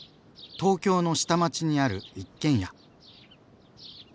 東京の下町にある一軒家。